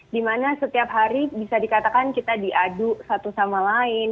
dimana setiap hari bisa dikatakan kita diadu satu sama lain